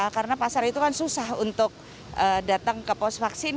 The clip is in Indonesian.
karena pasar itu kan susah untuk datang ke pos vaksin